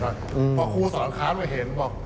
เพื่อคุณสอนค้ำในไปเห็น